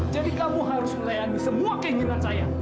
jadi kamu harus melayani semua keinginan saya